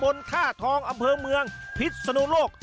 ท่าทองอำเภอเมืองพิษนุโลก